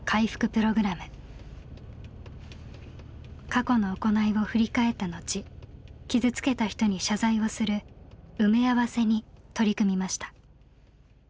過去の行いを振り返った後傷つけた人に謝罪をする「埋め合わせ」に取り組みました。